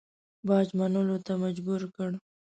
باج منلو ته مجبور کړ.